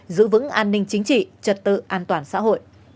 giữ vững an ninh chính trị trật tự an toàn xã hội